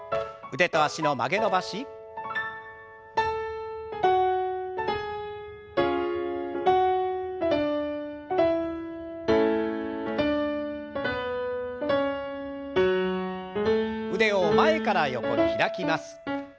腕を前から横に開きます。